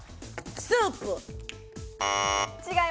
スープ。